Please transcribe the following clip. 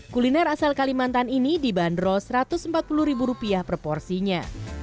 kuliner asal kalimantan ini dibanderol satu ratus empat puluh ribu rupiah proporsinya